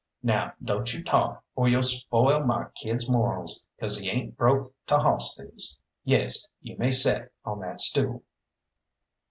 Now don't you talk, or you'll spoil my kid's morals, 'cause he ain't broke to hawss thieves. Yes, you may set on that stool."